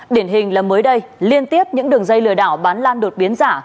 điển hình là mới đây liên tiếp những đường dây lừa đảo bán lan đột biến giả